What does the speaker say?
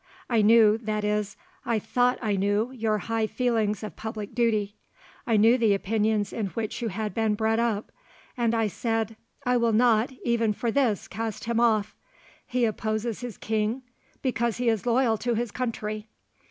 I knew, that is, I thought I knew your high feelings of public duty—I knew the opinions in which you had been bred up; and I said, I will not, even for this, cast him off—he opposes his King because he is loyal to his country.